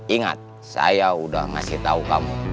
ingat saya udah ngasih tahu kamu